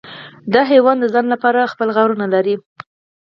دا حیوان د ځان لپاره غارونه لري.